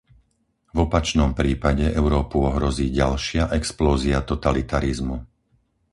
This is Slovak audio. V opačnom prípade Európu ohrozí ďalšia explózia totalitarizmu.